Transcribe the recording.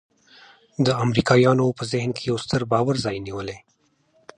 د امریکایانو په ذهن کې یو ستر باور ځای نیولی.